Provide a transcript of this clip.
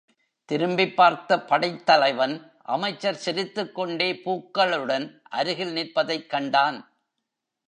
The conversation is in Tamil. திரும்பிப் பார்த்த படைத்தலைவன் அமைச்சர் சிரித்துக் கொண்டே பூக்களுடன் அருகில் நிற்பதைக் கண்டான்.